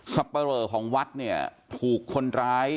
ซับไปร่อของวัดปลูกคนร้าย